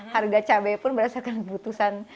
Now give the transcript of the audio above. harga cabai pun berdasarkan keputusan